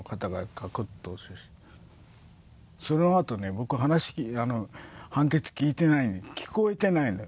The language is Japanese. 僕話あの判決聞いてない聞こえてないのよ